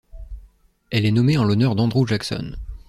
Elle est nommée en l'honneur d'Andrew Jackson.